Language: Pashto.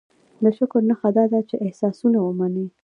دې شکر نښه دا ده چې احسانونه ومني.